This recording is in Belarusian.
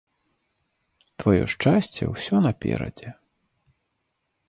Тваё шчасце ўсё наперадзе.